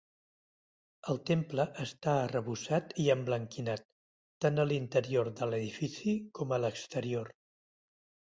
El temple està arrebossat i emblanquinat, tant a l'interior de l'edifici com a l'exterior.